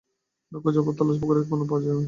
অনেক খোঁজার পর তার লাশ পুকুরের এক কোনায় পাওয়া যায়।